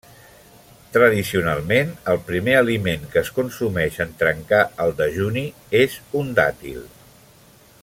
Tradicionalment, el primer aliment que es consumeix en trencar el dejuni és un dàtil.